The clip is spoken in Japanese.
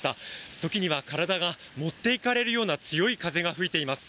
時には体が持っていかれるような強い風が吹いています。